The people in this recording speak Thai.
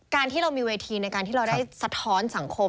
การที่เรามีเวทีในการที่เราได้สะท้อนสังคม